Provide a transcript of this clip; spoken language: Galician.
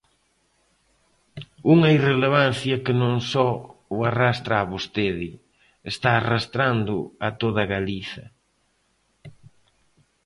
Unha irrelevancia que non só o arrastra a vostede, está arrastrando a toda Galiza.